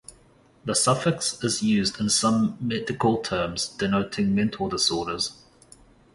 The suffix is used in some medical terms denoting mental disorders.